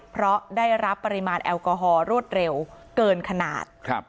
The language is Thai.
เพราะได้รับปริมาณแอลกอฮอลรวดเร็วเกินขนาด